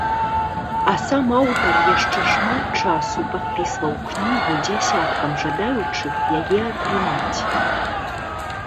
А сам аўтар яшчэ шмат часу падпісваў кнігу дзясяткам жадаючых яе атрымаць.